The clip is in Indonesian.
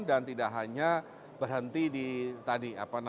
dan tidak hanya berhenti di